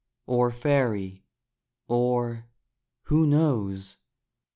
or fairy? or, who knows?